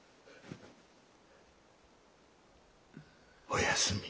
おやすみ。